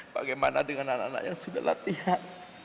bagaimana dengan anak anak yang sudah latihan